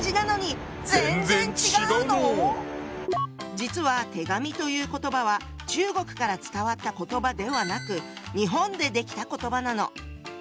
実は「手紙」という言葉は中国から伝わった言葉ではなく日本で出来た言葉なの。